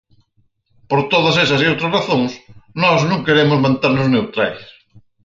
Por todas esas e outras razóns, nós non queremos manternos neutrais.